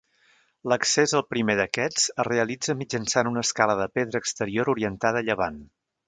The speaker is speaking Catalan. L'accés al primer d'aquests es realitza mitjançant una escala de pedra exterior orientada a llevant.